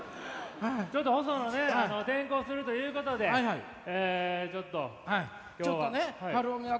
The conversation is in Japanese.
ちょっとホソノね転校するということでちょっと今日は。